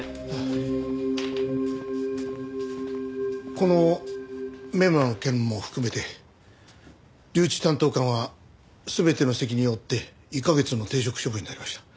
このメモの件も含めて留置担当官は全ての責任を負って１カ月の停職処分になりました。